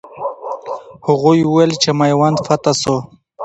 هغوی وویل چې میوند فتح سو.